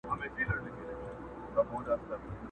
وږمه ځي تر ارغوانه پښه نيولې!.